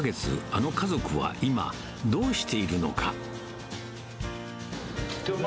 あの家族は今、どうしているのか。